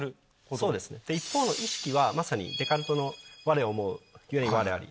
そうですね一方の意識はまさにデカルトの「我思う故に我在り」。